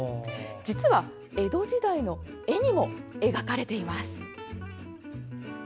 実は、江戸時代の絵にも描かれています。